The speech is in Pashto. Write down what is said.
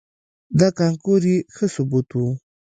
دا کانکور یې ښه ثبوت و.